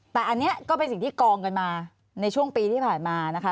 แต่อันนี้ก็เป็นสิ่งที่กองกันมาในช่วงปีที่ผ่านมานะคะ